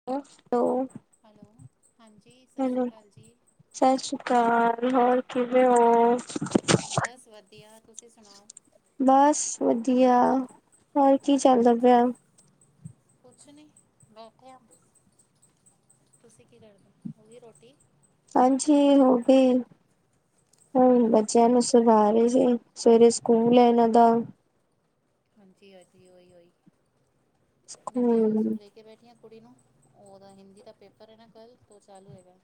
[inaudible] Hello ਹਾਂਜੀ ਸਤਿ ਸ਼੍ਰੀ ਹੈਲੋ ਅਕਾਲ ਜੀ। ਸਤਿ ਸ੍ਰੀ ਅਕਾਲ ਹੋਰ ਕਿਵੇਂ ਹੋ। ਬਸ ਵਧੀਆ ਤੁਸੀਂ ਸੁਣਾਓ। ਬਸ ਵਧੀਆ ਹੋਰ ਕੀ ਚੱਲਦਾ ਪਿਆ। ਕੁਛ ਨੀ ਬੈਠੇ ਆਂ ਤੁਸੀਂ ਕੀ ਕਰਦੇ ਹੋਗੀ ਰੋਟੀ ਹਾਂਜੀ ਹੋ ਗਏ। ਹੁਣ ਬੱਚਿਆਂ ਨੂੰ ਸੁਣਾ ਰਏ ਸੀ ਸਵੇਰੇ ਸਕੂਲ ਐ ਇਹਨਾਂ ਦਾ ਹਾਂਜੀ-ਹਾਂਜੀ ਓਹੀ-ਉਹੀ ਮੈਂ ਵੀ ਹੂੰ, ਉਸਨੂੰ ਲੀ ਕੇ ਬੈਠੀ ਆਂ ਕੁੜੀ ਨੂੰ ਉਹਦਾ ਹਿੰਦੀ ਦਾ ਪੇਪਰ ਹੈ ਨਾ ਕੱਲ੍ਹ ਤ ਓ ਚਾਲੂ ਹੈਗਾ।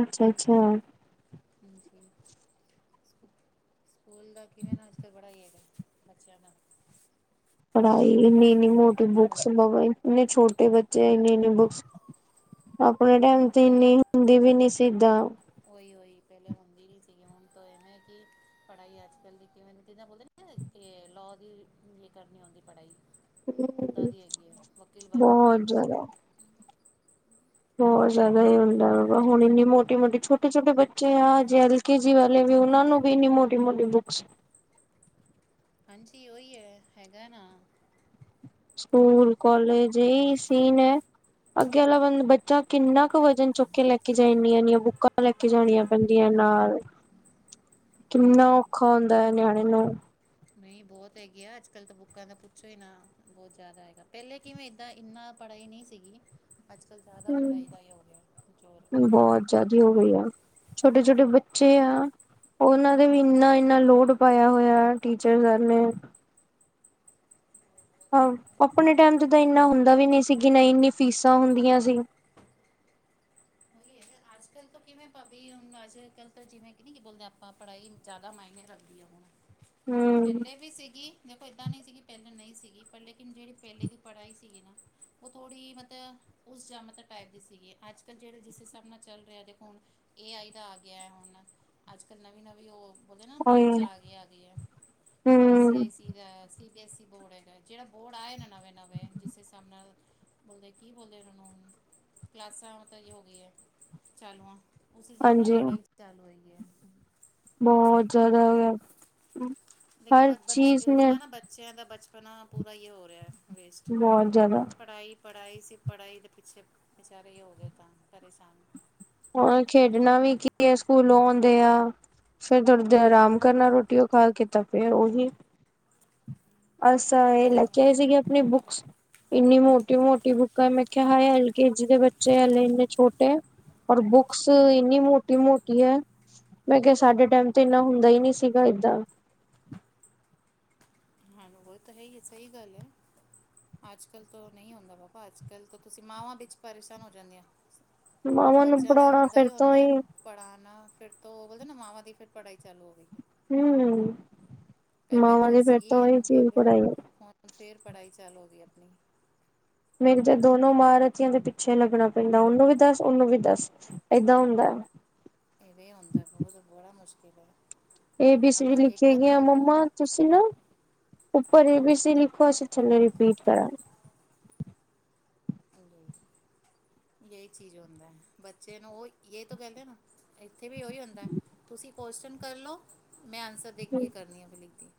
ਅੱਛਾ-ਅੱਛਾ ਹਾਂਜੀ ਸਕੂਲ ਦਾ ਕਿਵੇ ਨਾ ਅੱਜ ਕੱਲ ਬੜਾ ਈ ਹੈਗਾ ਬੱਚਿਆਂ ਦਾ ਪੜ੍ਹਾਈ ਏਨੀ-ਏਨੀ ਮੋਟੀ ਬੁੱਕਸ ਬਹੁਤ ਹੈ ਬਵੇ ਇੰਨੇ ਛੋਟੇ ਬੱਚੇ ਆ ਇੰਨੇ-ਇੰਨੇ ਬੁੱਕਸ ਆਪਣੇ ਟੈਮ ਤੇ ਇਨੀ ਹੁੰਦੀ ਵੀ ਨਹੀਂ ਸੀਗਾ, ਉਹੀ-ਉਹੀ ਪਹਿਲੇ ਹੁੰਦੀ ਨੀ ਸੀਗਾ, ਹੁਣ ਤਾਂ ਐਵੇਂ ਹੈ ਕਿ ਪੜ੍ਹਾਈ ਅੱਜ ਕੱਲ ਦੀ ਕਿਵੇਂ ਜਿੱਦਾਂ ਬੋਲਦੇ, ਤੇ ਲਾਅ ਦੀ ਕਰਨੀ ਆੳਂਦੀ ਪੜ੍ਹਾਈ ਓਦਾਂ ਦੀ ਹੈਗੀ ਹੈ, ਵਕੀਲ ਬਨਣਾ ਬਹੁਤ ਹੁੰਦਾ ਕਈ ਞਾਰ, ਬੋਹਤ ਜ਼ਿਆਦਾ ਹੀ ਹੁੰਦਾ ਹੈਗਾ, ਹੁਣ ਇੰਨੀ ਮੋਟੀ -ਮੋਟੀ ਛੋਟੇ- ਛੋਟੇ ਬੱਚੇ ਆ ਜੇਹੜੇ ਕੇਜੀ ਵਾਲੇ ਵੀ ਉਹਨਾ ਨੂੰ ਵੀ ਇੰਨੀ ਮੋਟੀ -ਮੋਟੀ ਬੁੱਕਸ, ਹਾਂਜੀ ਉਓਹੀ ਹੈ ਹੈਗਾ ਨਾ, ਸਕੂਲ ਕੋਲੇਜ ਇਹ ਸੀਨ ਹੈ। ਅੱਗੇ ਵਾਲਾ ਬੱ ਬੱਚਾ ਕਿੰਨਾ ਕ ਵਜ਼ਨ ਚੁੱਕ ਕੇ ਲੈ ਕੇ ਜਾਏ, ਏਨੀਆਂ- ਏਨੀਆ ਬੁੱਕਾਂ ਲੈ, ਲੈ ਕੇ ਜਾਣੀਆਂ ਪੈਂਦੀਆਂ ਨਾਲ, ਹ ਕਿੰਨਾ ਔਖਾ ਹੁੰਦਾ ਹੈ ਨਿਆਣੇ ਨੂੰ, ਨਹੀਂ ਬਹੁਤ ਹੈਗੀ ਆ, ਅੱਜ ਕੱਲ੍ਹ ਤਾਂ ਬੁੱਕਾਂ ਦਾ ਪੁੱਛੋ ਹੀ ਨਾ, ਬਹੁਤ ਜ਼ਿਆਦਾ ਹੈਗਾ, ਪਹਿਲੇ ਕਿਵੇਂ ਏਦਾਂ ਇੰਨਾ, ਪੜ੍ਹਾਈ ਨਹੀਂ ਸੀਗੀ, ਅੱਜ ਕੱਲ੍ਹ ਜ਼ਿਆਦਾ ਪੜ੍ਹਾਈ ਦਾ ਜੋਰ ਹੈ ਜ਼ੋਰ, ਆਜ਼ਾਦੀ ਹੋ ਗਈ ਆ, ਛੋਟੇ ਛੋਟੇ ਬੱਚੇ ਆ, ਉਹਨਾਂ ਦੇ ਵੀ ਇੰਨਾ- ਇੰਨਾ ਲੋਡ ਪਾਇਆ ਹੋਇਆ ਟੀਚਰਾ ਨੇ, ਹਾਂ, ਆਪਣੇ ਟਾਈਮ ਚ ਤਾਂ ਇੰਨਾ ਹੁੰਦਾ ਵੀ ਨਹੀਂ ਸੀ, ਕਿ ਨਹੀਂ ਇੰਨੀ ਫੀਸਾਂ ਹੁੰਦੀਆਂ ਸੀ। ਹ ਆਜ ਕੱਲ ਅੱਜਕੱਲ ਤੋਂ ਕਿਵੇਂ ਭਾਾਬੀ ਹੁਣ ਅੱਜ ਕੱਲ੍ਹ ਤਾਂ ਜਿਵੇਂ ਕਿ ਨਹੀਂ ਕਿ ਬੋਲਦੇ ਆਪਾਂ ਪੜ੍ਹਾਈ ਜ਼ਿਆਦਾ ਮਾਇਨੇ ਰੱਖਦੀਏ ਹੁਣ, ਹਮ ਪਹਿਲੇ ਵੀ ਸੀਗੀ, ਦੇਖੋ ਇੱਦਾਂ ਨਹੀਂ ਸੀਗੀ ਪਹਿਲਾਂ ਨਹੀਂ ਸੀਗੀ, ਪਰ ਲੇਕਿਨ ਜਿਹੜੀ ਪਹਿਲੇ ਦੀ ਪੜ੍ਹਾਈ ਸੀਗੀ ਨਾ ਉਹ ਥੋੜ੍ਹੀ ਮਤਲਬ, ਉਸ ਜਮਾਤਾ ਟਾਈਪ ਦੀ ਸੀਗੀ, ਅੱਜ -ਕੱਲ ਜਿਹੜੇ ਜਿਸ ਹਿਸਾਬ ਨਾਲ ਚੱਲ ਰਿਹਾ ਦੇਖੋ, ਹੁਣ ਏ ਆਈ ਦਾ ਆ ਗਿਆ ਏ ਹੁਣ, ਅੱਜ ਕੱਲ੍ਹ ਨਵੀਂ ਨਵੀਂ ਉਹ, ਓਦੇ ਨਾ ਉਹੀ ਬ੍ਰਾਂਚ ਆ ਗਈ -ਆ ਗਈ ਆ, ਆਈ ਸੀ ਹੂੰ, -ਆਈ ਸੀ ਦਾ C B S E board ਹੈਗਾ, ਜਿਹੜਾ ਬੋਰਡ ਆਏ ਨੇ ਨਵੇਂ -ਨਵੇਂ ਜਿਸ ਹਿਸਾਬ ਨਾਲ, ਬੋਲਦੇ ਕੀ ਬੋਲਦੇ ਔਨੂ ਕਲਾਸਾਂ ਹੁਣ ਤਾਂ ਜੀ ਹੋ ਗਈਆਂ, ਚਾਲੂ ਹਾਂ ਉਸ ਹਿਸਾਬ ਨਾਲ ਹਾਂਜੀ ਪੜ੍ਹਾਈ ਤਾ ਚਾਲੂ ਹੈਗੀ ਹੈ, ਬਹੁਤ ਜ਼ਿਆਦਾ ਲੇਕਿਨ ਹਰ ਉਹ ਬਚ ਚੀਜ਼ ਨੇ, ਇਸਦਾ ਨਾ ਬੱਚਿਆਂ ਦਾ ਬਚਪਨਾ ਪੂਰਾ ਹੀ ਹੋ ਰਿਹਾ ਵੇਸਟ, ਬਹੁਤ ਜ਼ਿਆਦਾ, ਪੜ੍ਹਾਈ-ਪੜ੍ਹਾਈ ਸੀ, ਪੜ੍ਹਾਈ ਦੇ ਪਿੱਛੇ ਵਿਚਾਰੇ ਹੋ ਗਏ ਤਾਂ ਪ੍ਰੇਸ਼ਾਨ, ਹੁਣ ਖੇਡਣਾ ਵੀ ਕੀ ਆ, ਸਕੂਲੋਂ ਆਉਂਦੇ ਆ, ਫੇਿਰ ਥੋੜ੍ਹੀ ਦੇਰ ਆਰਾਮ ਕਰਨਾ ਰੋਟੀ ਉਹ ਖਾ ਕੇ ਤਾਂ ਫਿਰ ਉਹੀ, ਅੱਛਾ, ਇਹ ਲੈ ਕੇ ਉਹੀ ਆਏ ਸੀਗੇ ਆਪਣੀ ਬੁੱਕਸ? ਇੰਨੀ ਮੋਟੀ -ਮੋਟੀ ਬੁੱਕਾਂ ਮੈਂ ਕਿਆ ਹਾਏ ਐਲ ਕੇ ਜੀ ਦੇ ਬੱਚੇ ਐ ਇੰਨੇ- ਇੰਨੇ ਛੋਟੇ, ਪਰ ਬੁੱਕਸ ਏਨੀ ਮੋਟੀ-ਮੋਟੀ ਐ, ਮੈਂ ਕਯਾ ਸਾਡੇ ਟਾਈਮ ਤੇ ਇੰਨਾ ਹੁੰਦਾ ਈ ਨੀ ਸੀਗਾ ਏਦਾ, ਹਾਂ, ਓ ਤੇ ਹੈਈ ਏ, ਸਈ ਗਾੱਲ ਏ, ਅੱਜ-ਕੱਲ ਤੋ ਨਈ ਹੁੰਦਾ ਬਾਬਾ, ਅੱਜ-ਕੱਲ ਤੋ ਤੁਸੀ ਮਾਵਾਂ ਵਿੱਚ ਪਰੇਸ਼ਾਨ ਹੋ ਜਾਂਦੀਐਂ। ਓ ਤੇ ਮਾਵਾਂ ਨੂੰ ਬੱਚੀਆ ਦਾ ਪੜ੍ਹਾਉਣਾ ਹੋਂਦਾ ਈ ਫਿਰ ਤੋਂ ਹੋਂਦੈ, ਹੀ ਪੜਾਨਾ ਫਿਰ ਤੋਂ ਓ ਬੋਲਦੇ ਨਾ, ਮਾਵਾਂ ਦੀ ਫਿਰ ਪੜਾਈ ਚਾਲੂ ਹੋ ਗਈ। ਹੂੰ ਪਹਿਲੇ ਮਾਂਵਾ ਦੀ ਫੇਰ ਤੋ ਓਈ ਚ ਪੜਾਈ ਐ। ਫੇਰ ਪੜਾਈ ਚਾਲੂ ਹੋਗੀ ਆ ਆਪਨੀ। ਮੇਰੀ ਤੇ ਦੋਨੋ ਮਾਰਥੀਆਂ ਦੇ ਪਿੱਛੇ ਲੱਗਣਾ ਪੈਂਦਾ, ਓਨੂੰ ਵੀ ਦਾੱਸ ਓਨੂੰ ਵੀ ਦਾੱਸ, ਏਦਾ ਹੁੰਦਾ, ਇਵੇਂ ਹੁੰਦੈ ਬੋਤ ਬੜਾ ਮੁਸ਼ਕਿਲ ਏ, ਏ, ਬੀ, ਸੀ ਲਿੱਖੇ ਗਿਆਂ, ਮੰਮਾ ਤੁਸ ਢਿੱਲੋਂ, ਉੱਪਰ ਏ, ਬੀ, ਸੀ ਲਿਖੋ, ਅਸੀ ਥੱਲੋ ਰਿਪੀਟ ਕਰਾ ਯੇਈ ਚੀਜ਼ ਹੋਂਦੈ, ਬੱਚੇ ਨੂੰ ਓਈ ਯੇ ਤੋ ਕੈਂਦੇ ਨਾ ਐਥੇ ਵੀ ਓਈ ਹੁੰਦੈ, ਤੁਸੀ ਕੋਸ਼ਚਨ ਕੱਰ ਲੋ, ਮੈਂ ਆਂਸਰ ਦੇਖ ਕੇ ਕਰਨੀ ਆ, ਫੇਰ ਲਿਖਦੀ,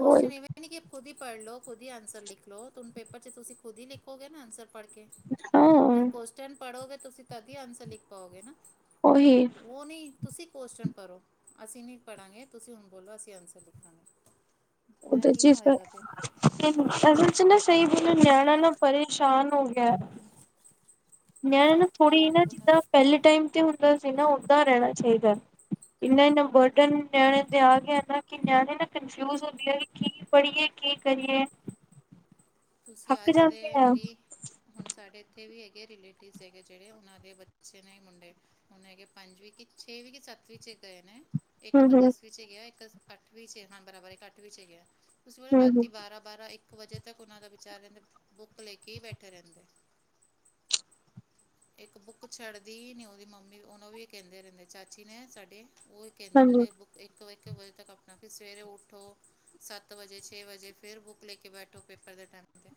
ਉਹੀ ਇਵੇਂ- ਐ ਨੀ ਕਿ ਖੁਦ ਈ ਪੜ ਲੋ, ਖੁਦ ਈ ਆਂਸਰ ਲਿਖ ਲੋ, ਤੁਮ ਪੇਪਰ 'ਚ ਤੁਸੀ ਖੁਦ ਈ ਲਿਖੋਗੇ ਨਾ ਆਂਸਰ ਪੱੜ ਕੇ ਹਾਂ ਤੇ ਕੋਸ਼ਚਨ ਪੜੋਗੇ ਤੁਸੀ, ਤੱਦ ਈ ਆਂਸਰ ਲਿਖ ਪਾਓਗੇ ਨਾ। ਓਹੀ। ਓ ਨੀ ਤੁਸੀ ਕੋਸ਼ਚਨ ਪਰੋ। ਅਸੀ ਨੀ ਪੜਾਂਗੇ, ਤੁਸੀਂ ਹੁਨ ਬੋਲੋ ਅਸੀ ਆਂਸਰ ਲਿਖਾਂਗੇ। ਉਹ ਮੈਂ ਤੇ ਹਰ ਕਿਵੇਂ ਚੀਜ਼ ਪਰ ਹੋਏਗਾ ਫਿਰ ਅਸਲ 'ਚ ਨਾ, ਸਈ ਬੋਲਾ ਨਿਆਣਾ ਨਾ ਪਰੇਸ਼ਾਨ ਹੋਗਯੈ। ਨਿਆਨਾ ਨਾ ਉਹੀ ਥੋੜੀ ਨਾ, ਉਹਨਾਂ ਜਿੱਦਾਂ ਨੂੰ ਪੈਲੇ ਟਾਈਮ ਤੇ ਹੁੰਦਾ ਸੀ ਨਾ, ਓਦਾਂ ਰੈਣਾ ਚਾਈਦੈ ਇੰਨਾ-ਇੰਨਾ ਬ‌ਅਡਨ ਨਿਆਣਿਆਂ ਤੇ ਆ ਗਿਆ ਨਾ ਕਿ ਨਿਆਨੇ ਨਾ ਕਨਫਯੂਜ ਹੁੰਦੇ ਕੀ ਪੜੀਏ, ਕੀ ਕਰੀਏ। ਤੁਸੀ ਥੱਕ ਅੱਜ ਜਾਂਦੇ ਦੇ ਆ ਹੂੰ ਮੇਰੀ ਹੁਨ ਸਾਡੇ ਇੱਥੇ ਵੀ ਹੈਗੇ, ਰਿਲੇਟਿਸ ਹੈਗੇ ਜੇੜੇ, ਓਨਾਂ ਦੇ ਬੱਚੇ ਨੇ ਮੁੰਡੇ ਹੁਨ ਹੈਗੇ ਪੰਜਵੀਂ‌, ਕੀ ਛੇਵੀ, ਕੀ ਸੱਤਵੀਂ 'ਚ ਗਏ ਨੇ। ਇੱਕ ਤਾ ਹੂੰ ਦਸਵੀ 'ਚ ਗਿਆ, ਇੱਕ ਅੱਠਵੀ 'ਚ ਹਾਂ ਬਰਾਬਰ ਇੱਕ ਅੱਠਵੀ 'ਚ ਗਿਆ। ਤੁਸੀ ਉਹਦਾ ਹੂੰ ਹੂੰ ਰਾਤੀ ਬਾਰਾਂ ਬਾਰਾਂ, ਇੱਕ ਵਜੇ ਤੱਕ ਉਨ੍ਹਾਂ ਦਾ ਵਿਚਾਰਿਆਂ ਦੇ ਬੁੱਕ ਲੇ ਕੇ ਈ ਬੈਠੇ ਰੈਂਦੇ। ਏਕ ਬੁੱਕ ਛੱਡਦੀ ਨੀ ਓਦੀ ਮੰਮੀ, ਓਨੂੰ ਵੀ ਕਹਿੰਦੇ ਰਿੰਦੈਂ, ਚਾਚੀ ਨੇ ਸਾਡੇ ਓ ਕੈਂਦੇ, ਹਾਂਜੀ ਬੋਲਦੇ ਬੁੱਕ ਇੱਕ-ਇੱਕ ਵਜੇ ਤੱਕ ਆਪਨਾ, ਫੇਰ ਸਵੇਰੇ ਉੱਠੋ। ਸੱਤ ਵਜੇ, ਛੇ ਵਜੇ ਫੇਰ ਬੁੱਕ ਲੇਕੇ ਬੈਠੋ, ਪੇਪਰ ਦੇ ਟੈਂਮ ਤੇ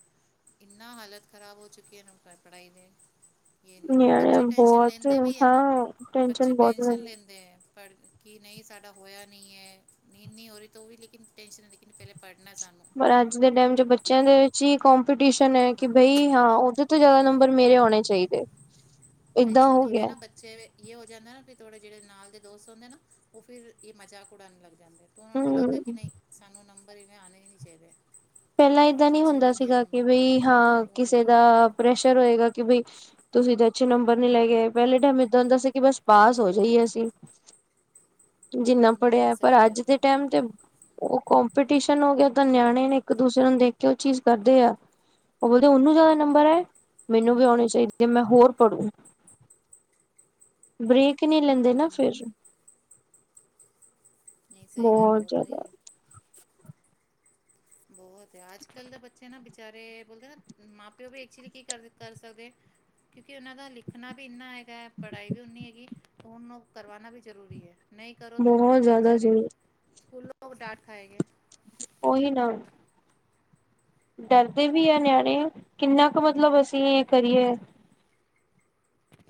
ਇੰਨਾ ਹਾਲਤ ਖ਼ਰਾਬ ਹੋ ਚੁੱਕੀ ਏ ਨਾ, ਪੜਾਈ ਨੇ ਏ ਨੀ, ਨਿਆਣੇ ਬੱਚੇ ਟੈਂਸ਼ਨ ਬਹੁਤ ਲੇਂਦੇ ਵੀ ਐ ਨਾ, ਹਾਂ ਬੱਚੇ ਟੈਨਸ਼ਨ ਬਹੁਤ ਟੈਂਸ਼ਨ ਲੈਂਦੇ ਲੇਂਦੇ ਐ। ਪੱੜ, ਕੀ ਨਈ ਸਾਡਾ ਹੋਇਆ ਨੀ ਐ, ਨੀਂਦ ਨੀ ਹੋ ਰੀ ਤੋ ਵੀ ਲੇਕਿਨ ਟੈਂਸ਼ਨ, ਲੇਕਿਨ ਪੈਲੇ ਪੱੜ। ਪਰ ਅੱਜ ਦੇ ਟਾਈਮ 'ਚ ਬੱਚਿਆਂ ਦੇ 'ਚ ਈ, ਕੋਮਪੀਟੀਸ਼ਨ ਐ ਕਿ ਬਈ, ਹਾਂ ਓ ਸਬ ਤੋ ਜ਼ਾਦਾ ਉਹੀ ਨੰਬਰ ਮੇਰੇ ਔਣੇ ਚਾਈਦੇ। ਐਕਚੁਲੀ ਕਿਵੇਂ ਨਾ ਬੱਚ ਬੱਚੇ ਦੇ ਯੇ ਹੋ ਜਾਂਦਾ ਨਾ, ਫਿਰ ਤੋੜੇ ਜੇੜੇ ਨਾਲ ਦੇ ਦੋਸਤ ਹੁੰਦੇ ਨਾ, ਓ ਫਿਰ ਏ ਮਜ਼ਾਕ ਉੜਾਨ ਲਾਗ ਜਾਂਦੇ ਨੇ। ਤੋ ਓਨਾਂ ਨੂੰ ਲੱਗਦਾ ਕਿ ਹਮ ਨਈ, ਸਾਨੂੰ ਨੰਬਰ ਇੰਨੇ ਆਨੇ ਈ ਨਈ ਚਾਈਦੇ। ਪਹਿਲਾਂ ਏਦਾਂ ਨੀ ਹੁੰਦਾ ਸੀਗਾ ਕਿ ਬਈ ਹਾਂ, ਚਾਹੀਦੇ ਕਿਸੇ ਉਹੀ ਦਾ ਪ੍ਰੈਸ਼ਰ ਹੋਏਗਾ ਕਿ ਬਈ ਤੁਸੀ ਤੇ ਅੱਛੇ ਨੰਬਰ ਨੀ ਲੈਕੇ ਆਏ, ਪੈਲ੍ਹੇ ਟਾਈਮ ਏਦਾਂ ਹੁੰਦਾ ਸੀ ਕਿ ਬਾਸ ਪਾਸ ਹੋ ਜਾਈਏ ਅਸੀਂ। [inaudible] ਜਿੰਨਾ ਹੂੰ ਪੜਿਆਂ, ਪਰ ਸਹੀ ਅੱਜ ਗੱਲ ਦੇ ਹੈ ਟਾਈਮ ਤੇ ਓ ਕੋਮਪੀਟੀਸ਼ਨ ਹੋ ਗਿਆ ਤਾਂ ਨਿਆਣੇ ਨੇ ਇੱਕ ਦੂਸਰੇ ਨੂੰ ਦੇਖ ਕੇ ਓ ਚੀਜ਼ ਕਰਦੇ ਆ। ਓ ਬੋਲਦੇ ਓਨੂੰ ਜ਼ਾਦਾ ਨੰਬਰ ਆਏ, ਮੈਨੂੰ ਵੀ ਔਣੇ ਚਾਈਦੇ, ਮੈਂ ਹੋਰ ਪੜੂ [inaudible] ਬ੍ਰੇਕ ਈ ਨੀ ਲੈਂਦੇ ਨਾ, ਹੂੰ ਫੇਰ। ਨਈ ਸਈ ਗੱਲ ਏ, ਬਹੁਤ ਓ ਤਾ ਹੈ ਈ ਜ਼ਿਆਦਾ ਐ। ਬਹੁਤ ਆ, ਅੱਜ-ਕੱਲ੍ਹ ਦੇ ਬੱਚੇ ਨਾ ਵਿਚਾਰੇ ਬੋਲਦੇ ਨਾ, ਮਾਂ-ਪਿਓ ਵੀ ਇੱਕ ਚੀਜ਼ ਕੀ ਕਰ-ਕਰ ਸਕਦੇ। ਕਿਉਂਕਿ, ਇਹਨਾਂ ਦਾ ਲਿਖਣਾ ਵੀ ਇੰਨਾ ਹੈਗਾ, ਪੜ੍ਹਾਈ ਵੀ ਉਨੀਂ ਹੈਗੀ, ਉਹਨੂੰ ਕਰਵਾਣਾਂ ਵੀ ਜ਼ਰੂਰੀ ਐ। ਨਹੀਂ ਕਰੋ ਤੋਂ ਵੀ ਬਹੁਤ ਫਿਰ ਜ਼ਿਆਦਾ ਬੇਚਾਰੇ, ਜ਼ਰੂਰ ਸਕੂਲੋਂ ਡਾਂਟ ਖਾਏਂਗੇ। ਉਹੀ ਨਾ। ਡਰਦੇ ਵੀ ਆ ਨਿਆਣੇ, ਕਿੰਨਾ ਕੁ ਮਤਲਬ ਅਸੀਂ ਇਹ ਕਰੀਏ।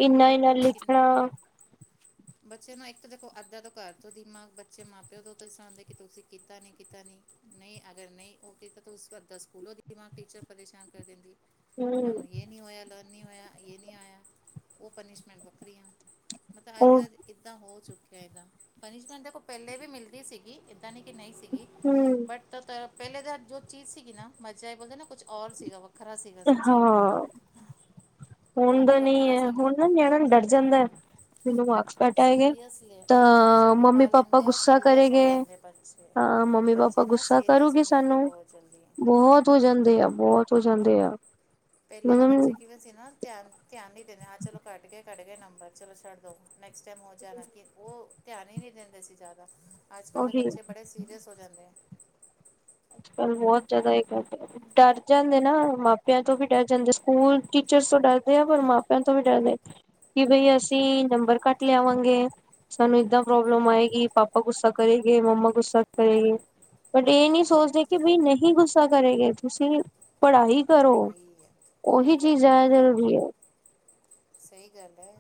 ਸਈ ਇੰਨਾ ਗੱਲ ਇੰਨਾ ਏ ਲਿਖਣਾ ਕਿੰਨਾ ਤਾਂ ਹੈਗਾ। ਬੱਚੇ ਨਾ ਇੱਕ ਦੇਖੋ ਅੱਦਾਂ ਤੋਂ ਘਰ ਤੋਂ ਦਿਮਾਗ ਬੱਚੇ ਮਾਂ ਪਿਓ ਤੋਂ ਸੁਣਦੇ ਕਿ ਤੁਸੀਂ ਕੀਤਾ ਨੀ, ਕੀਤਾ ਨੀ। ਨਈ ਅਗਰ ਨਈ ਓ ਕੀਤਾ ਤਾਂ ਓਸ ਦਾ ਅੱਧਾ ਸਕੂਲੋਂ ਦਿਮਾਗ ਟੀਚਰ ਪਰੇਸ਼ਾਨ ਕਰ ਦੇਂਦੀ। ਹੂੰ। ਏ ਨੀ ਹੋਇਆ, ਲਰਨ ਨੀ ਹੋਇਆ, ਏ ਨਹੀਂ ਆਇਆ, ਓ ਪਨੀਸ਼ਮੈਂਟ ਵੱਖਰੀਆਂ ਮਤਲਬ ਅੱਜ ਉਹ ਦਾ ਏਦਾਂ ਹੋ ਚੁੱਕਿਆ ਹੈਗਾ। ਪਨੀਸ਼ਮੈਂਟ ਦੇਖੋ ਪਹਿਲੇ ਵੀ ਮਿਲਦੀ ਸੀਗੀ। ਏਦਾਂ ਨਈ ਕਿ ਨਈ ਸੀਗੀ ਹਮ ਬਟ ਤਾਂ ਪਹਿਲੇ ਤਾਂ ਜੋ ਚੀਜ਼ ਸੀਗੀ ਨਾ ਮਜ਼ਾ ਏ ਬੋਲਦੇ ਨਾ ਕੁੱਛ ਔਰ ਸੀਗਾ। ਵੱਖਰਾ ਸੀਗਾ ਸੱਚੀ ਹਾਂ ਬੋਤ ਈ ਵੱਖ ਨੀ ਐ ਹੁਨ ਨਾ ਨਿਆਣਾ ਡਰ ਜਾਂਦਾ। ਮੈਨੂੰ ਮਾਕਸ ਘੱਟ ਆਏਗੇ ਸੀਰੀਅਸ ਲੈ ਦਿਮਾਗ 'ਚ ਤਾਂ ਮੰਮੀ ਬਿਠਾ ਪਾਪਾ ਲੈਂਦੇ ਆ ਔਰ ਗੁੱਸਾ ਸੀਰੀਅਸ ਹੋ ਕਰੇਂਗੇ। ਜਾਂਦੇ ਬੱਚੇ ਹਾਂ ਮੰਮੀ ਪਾਪਾ ਬੱਚੇ ਨਾ ਗੁੱਸਾ ਸੀਰੀਅਸ ਕਰੂੰਗੀ ਹੋ ਜਾਂਦੇ ਸਾਨੂੰ ਬਹੁਤ ਜਲਦੀ ਬੋਹਤ ਹੋ ਜਾਂਦੇ ਆ, ਬੋਤ ਹੋ ਜਾਂਦੇ ਆ। ਪਹਿਲੇ ਦੇ ਬੱਚੇ ਮਤਲਬ ਕਿਵੇਂ ਸੀ ਨਾ ਧਿਆਨ, ਧਿਆਨ ਨਹੀਂ ਦਿੰਦੇ ਹਾਂ ਚਲੋ ਘੱਟ ਗਏ ਘੱਟ ਗਏ ਨੰਬਰ ਚਲੋ ਛੱਡ ਦੋ। ਨੈਕਸਟ ਟਾਈਮ ਹੋ ਜਾਣਾਂਗੇ ਓ ਧਿਆਨ ਹੀ ਨੀ ਦੇਂਦੇ ਸੀ ਜਾਦਾ, ਅੱਜ-ਕੱਲ ਦੇ ਉਹੀ ਬੱਚੇ ਬੜੇ ਸੀ ਰੀਅਸ ਹੋ ਜਾਂਦੇ ਐ। ਅੱਜ-ਕੱਲ੍ਹ ਬੋਤ ਜਾਦਾ [unintelligible] ਐ। ਡਰ ਜਾਂਦੇ ਨਾ ਮਾਪਿਆਂ ਤੋਂ ਵੀ ਡਰ ਜਾਂਦੇ, ਸਕੂਲ ਟੀਚਰਸ ਤੋਂ ਡਰਦੇ ਆ ਪਰ ਮਾਪਿਆਂ ਤੋਂ ਵੀ ਡਰਦੇ। ਕਿ ਬਈ ਅਸੀਂ ਨੰਬਰ ਘੱਟ ਲਿਆਵਾਂਗੇ। ਸਾਨੂੰ ਏਦਾਂ ਪ੍ਰੋਬਲਮ ਆਏਗੀ, ਪਾਪਾ ਗੁੱਸਾ ਕਰੇਗੇ ਮੰਮਾ ਗੁੱਸਾ ਕਰੇਗੇ ਬਟ ਏ ਨੀ- ਸੋਚਦੇ ਕਿ ਬਈ ਨਹੀਂ ਗੁੱਸਾ ਕਰੇਗੇ ਤੁਸੀਂ ਪੜ੍ਹਾਈ ਕਰੋ। ਉਈ ਉਹੀ ਚੀਜ਼ ਗੱਲ ਐ, ਜ਼ਿਆਦਾ ਵੋਈ ਗੱਲ ਜ਼ਰੂਰੀ ਐ, ਹੈ ਸਈ ਗੱਲ ਐ।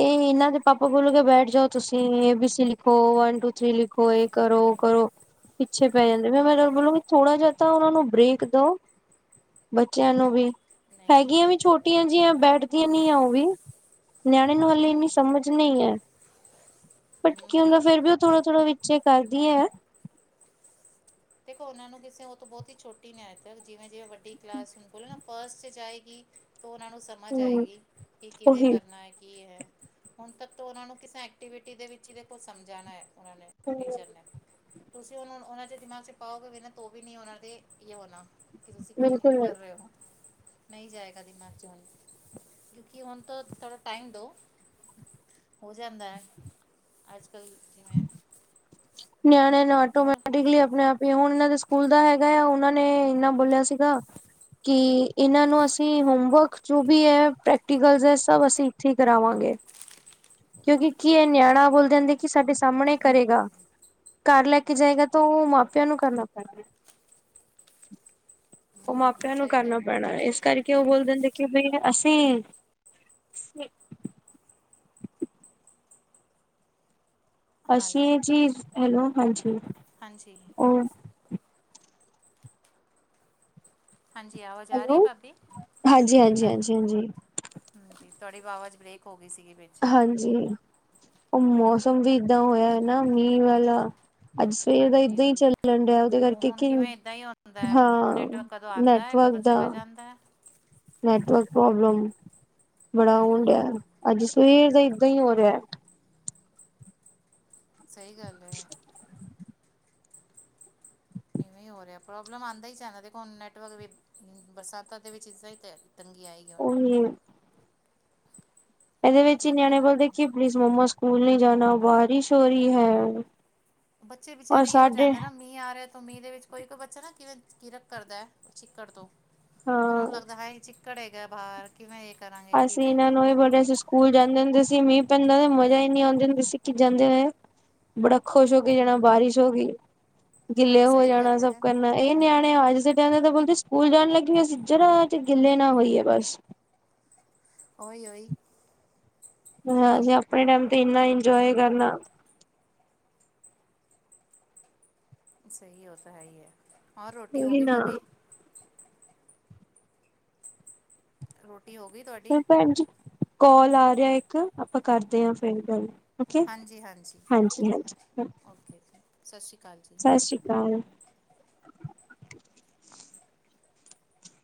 ਏ ਏਨਾਂ ਦੇ ਪਾਪਾ ਬੋਲੋ ਕੇ ਬੈਠ ਜਾਓ ਤੁਸੀਂ ਏ, ਬੀ, ਸੀ ਲਿਖੋ, ਵਨ ਟੂ, ਥ੍ਰੀ ਲਿਖੋ ਏ ਕਰੋ, ਓ ਕਰੋ। ਪਿੱਛੇ ਪੈ ਜਾਂਦੇ ਫੇਰ ਮੈਂ ਬੋਲੂੰਗੀ ਥੋੜਾ ਜਾ ਤਾਂ ਓਨਾਂ ਨੂੰ ਬ੍ਰੇਕ ਦੋ। ਬੱਚੇਆਂ ਨੂੰ ਵੀ, ਨਹੀਂ ਨਹੀਂ ਹੈਗੀਆਂ ਵੀ ਸਹੀ ਗੱਲ ਹੈ ਛੋਟੀਆਂ ਜਿਆਂ ਬੈਠਦੀਆਂ ਨਈ ਐ ਓ ਵੀ। ਨਿਆਣੇ ਨੂੰ ਹਾਲੇ ਹੂੰ ਇੰਨੀ ਸਮਝ ਨਈ ਐ, ਬਟ ਹੂੰ ਕੀ ਨਹੀਂ ਹੁੰਦਾ ਨਹੀਂ ਫੇਰ ਉਹ ਵੀ ਓ ਤਾਂ ਇਹ ਥੋੜ੍ਹਾ-ਥੋੜ੍ਹਾ ਉਨ ਵਿੱਚੇ ਕਰਦੀ ਐ। ਦੇਖੋ ਓਨਾਂ ਨੂੰ ਕਿਸੇ ਓ ਤੋਂ ਬੋਤ ਈ ਛੋਟੀ ਐ, ਜਿਵੇਂ-ਜਿਵੇ ਵੱਡੀ ਕਲਾਸ ਹੁਨ ਬੋਲੇ ਨਾ ਫਸਟ 'ਚ ਜਾਏਗੀ। ਤੋਂ ਓਨਾਂ ਨੂੰ ਸਮਝ ਹੂੰ ਆਏਗੀ ਕਿ ਕਿਵੇਂ ਉਹੀ ਕਰਨਾ ਐ, ਕੀ ਐ। ਹੁਨ ਤੱਕ ਤੋਂ ਓਨਾਂ ਨੂੰ ਕਿਸੇ ਐਕਟੀਵਿਟੀ ਦੇ ਵਿੱਚ ਈ ਦੇਖੋ ਸਮਝਾਨਾ ਐ ਓਨਾਂ ਨੇ ਟੀਚਰ ਨੇ। ਤੁਸੀਂ ਓਨਾਂ ਨੂੰ, ਓਨਾਂ ਦੇ ਦਿਮਾਗ 'ਚ ਪਾਓਗੇ ਵੀ ਨਾ ਤੋਂ ਵੀ ਨੀ ਓਨਾਂ ਦੇ ਯੇ ਹੋਨਾ। ਕਿ ਤੁਸੀਂ ਕੀ ਬਿਲਕੁਲ ਕਰ ਰੇ ਹੋ। ਨਈ ਜਾਏਗਾ ਦਿਮਾਗ 'ਚ ਹੁਨ ਕਿਉਂਕਿ ਹੁਨ ਤੋਂ ਥੋੜ੍ਹਾ ਟਾਈਮ ਦੋ। ਹੋ ਜਾਂਦਾ ਐ ਅੱਜ-ਕੱਲ ਜਿਵੇਂ ਨਿਆਣਿਆਂ ਨੇ ਔਰ ਆਟੋਮੈਟਿਕਲੀ ਅਪਨੇ ਆਪ ਵੀ ਹੁਨ ਏਨਾਂ ਦੇ ਸਕੂਲ ਦਾ ਹੈਗਾ ਆ, ਓਨਾਂ ਨੇ ਏਨਾ ਬੋਲਿਆ ਸੀਗਾ। ਕਿ ਇਨਾਂ ਨੂੰ ਅਸੀਂ ਹੋਮਵਰਕ ਜੋ ਵੀ ਐ, ਪ੍ਰੈਕਟੀਕਲਸ ਐ ਸਭ ਅਸੀਂ ਏਥੇ ਈ ਕਰਾਵਾਂਗੇ। ਕਿਉਂਕਿ ਕੀ ਐ ਨਿਆਣਾ ਬੋਲ ਜਾਂਦੇ ਕਿ ਸਾਡੇ ਸਾਹਮਣੇ ਕਰੇਗਾ। ਘਰ ਲੈ ਕੇ ਜਾਏਗਾ ਤਾਂ ਓ ਮਾਂ-ਪਿਓ ਨੂੰ ਕਰਨਾ ਪੈਣਾ। ਓ ਹਮ ਨਹੀਂ ਮਾਪਿਆਂ ਨੂੰ ਸਹੀ ਕਰਨਾ ਗੱਲ ਹੈ ਪੈਣਾ ਇਸ ਕਰਕੇ ਓ ਬੋਲ ਦੇਂਦੇ ਕਿ ਬਈ ਅਸੀਂ ਅਸੀਂ ਹੈਲੋ ਐ ਚੀਜ਼, ਹੈਲੋ ਹਾਂਜੀ ਹਾਂਜੀ ਓ ਹਾਂਜੀ ਆਵਾਜ ਆ ਰੀ ਹੈਲੋ ਐ ਭਾਬੀ? ਹਾਂਜੀ। ਹਾਂਜੀ ਤੁਹਾਡੀ ਆਵਾਜ਼ ਬ੍ਰੇਕ ਹੋ ਗਈ ਸੀ ਵਿੱਚ। ਹਾਂਜੀ, ਓ ਮੌਸਮ ਵੀ ਇਦਾਂ ਹੋਇਆ ਐ ਨਾ ਮੀਂਹ ਵਾਲਾ। ਅੱਜ ਸਵੇਰ ਦਾ ਹਾਂਜੀ ਏਦਾਂ ਹੀ ਉਹੀ ਚੱਲਣ ਦੀਆ ਉਹਦੇ ਉਹ ਕਰਕੇ ਹੁਣ ਕਿਓ ਕਿਵੇਂ ਇੱਦਾਂ ਹੀ ਹੁੰਦਾ ਹੈ ਹਾਂ। ਨੈਟਵਰਕ ਕਦੋਂ ਆਂਦਾ ਕਦੋਂ ਨੈਟਵਰਕ ਦਾ ਚਲੇ ਜਾਂਦਾ। ਨੈਟਵਰਕ ਪ੍ਰੋਬਲਮ ਬੜਾ ਉਹੀ ਆਉਣ ਢਆ ਉਹੀ ਅੱਜ ਸਵੇਰ ਦਾ ਏਦਾਂ ਹੀ ਹੋ ਰਿਆ। ਸਹੀ ਗੱਲ ਏ। ਇਵੇਂ ਹੀ ਹੋ ਰਿਆ ਪ੍ਰੋਬਲਮ ਆਂਦਾ ਹੀ [unintelligible] ਦੇਖੋ ਹੁਣ ਨੈਟਵਰਕ ਵੀ ਬਰਸਾਤਾਂ ਦੇ ਵਿੱਚ ਇੱਦਾਂ ਹੀ ਤੰਗੀ ਆਏਗੀ। ਹੁਣ ਉਹੀ ਏ। ਏਦੇ ਵਿੱਚ ਹੀ ਠੀਕ ਹੈ ਨਿਆਣੇ ਬੋਲਦੇ ਨਾਲ ਕਿ ਪਲੀਜ਼ ਮੰਮਾ ਸਕੂਲ ਨੀ ਜਾਨਾ ਬਾਰਿਸ਼ ਹੋ ਰੀ ਹੈ। ਬੱਚੇ ਔਰ ਵਿਚਾਰੇ ਏ ਹੋ ਸਾਡੇ ਜਾਂਦਾ ਨਾ ਮੀਂ ਆ ਰਿਆ ਮੀਂਹ ਦੇ ਵਿੱਚ ਕੋਈ-ਕੋਈ ਬੱਚਾ ਨਾ ਕਿਵੇਂ ਕਿਰਕ ਕਰਦਾ ਚਿੱਕੜ ਤੋਂ ਉਹਨਾਂ ਹਾਂ ਨੂੰ ਲੱਗਦਾ ਹਾਏ ਚਿ ਕੜ ਏਗਾ ਬਾਹਰ। ਕਿਵੇੈਂ ਏ ਕਰਾਂ ਅਸੀਂ ਇਨਾਂ ਨੂੰ ਵੀ ਬੋਲਯਾ ਸੀ ਸ ਕੂਲ ਜਾਂਦੇ ਹੁੰਦੇ ਸੀ ਮੀਂਹ ਪੈਂਦਾ ਮਜ਼ਾ ਇੰ ਨੀ ਆਉਂਦੇ ਹੁੰਦੇ ਸਿ ਕਿ ਜਾਂਦੇ ਹੋਯਾ ਬੜਾ ਖੁਸ਼ ਹੋ ਕੇ ਜਾਣਾ ਬਾਰਿਸ਼ ਹੋਗੀ। ਗਿੱਲੇ ਹੋ ਸਹੀ ਜਾਣਾ ਗੱਲ ਸਭ ਹੈ ਕਰਨਾ। ਇਹ ਨਿਆਣੇ ਅੱਜ ਦੇ ਟਾਈਮ ਤਾਂ ਬੋਲਦੇ ਸਕੂਲ ਜਾਣ ਲੱਗੀ ਹੋ ਸੀ ਜਰਾ ਚ ਗਿੱਲੇ ਨਾ ਹੋਈ ਏ ਬਸ। ਔਈ-ਔਈ। ਹਾਂ ਅਸੀਂ ਆਪਣੇ ਟਾਈਮ ਤੇ ਇੰਨਾ ਇੰਜੋਏ ਕਰਨਾ। ਸਹੀ ਔ ਤਾਂ ਹੈ ਹੀ ਹੈ ਔਰ ਰੋਟੀ ਹੋ ਉਹੀ ਗਈ ਨਾ ਭਾਬੀ‌। ਰੋਟੀ ਹੋਗੀ? ਭੈਣ ਜੀ ਕੋਲ ਆ ਰਿਆ ਇੱਕ ਆਪਾਂ ਕਰਦੇ ਆ ਫਿਰ ਗੱਲ। ਓਕੇ ਹਾਂਜੀ-ਹਾਂਜੀ, ਹਾਂਜੀ ਹਾਂਜੀ ਓਕੇ-ਓਕੇ ਸਤਿ ਸ਼੍ਰੀ ਕਾਲ ਜੀ‌। [unintelligible]